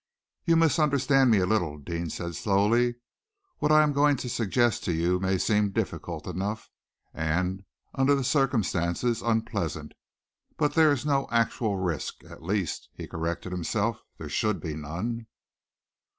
"You misunderstand me a little," Deane said slowly. "What I am going to suggest to you may seem difficult enough, and, under the circumstances, unpleasant, but there is no actual risk at least," he corrected himself, "there should be none."